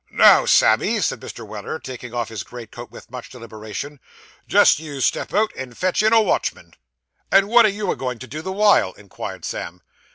'Now, Sammy,' said Mr. Weller, taking off his greatcoat with much deliberation, 'just you step out, and fetch in a watchman.' 'And wot are you a goin' to do, the while?' inquired Sam.